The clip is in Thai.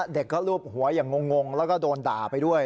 เด็กก็ลูบหัวอย่างงงแล้วก็โดนด่าไปด้วย